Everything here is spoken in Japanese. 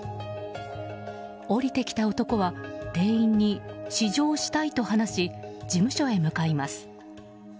降りてきた男は店員に試乗したいと話し事務所へ向かいます。